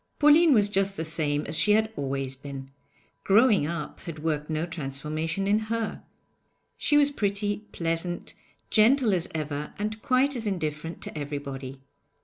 Pauline was just the same as she had always been; 'growing up' had worked no transformation in her. She was pretty, pleasant, gentle as ever, and quite as indifferent to everybody.